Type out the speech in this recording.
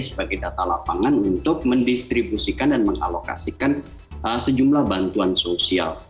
sebagai data lapangan untuk mendistribusikan dan mengalokasikan sejumlah bantuan sosial